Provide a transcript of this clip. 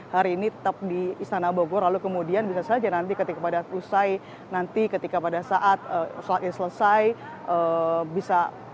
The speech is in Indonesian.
hari ini tetap di istana bogor lalu kemudian bisa saja nanti ketika pada usai nanti ketika pada saat sholat id selesai bisa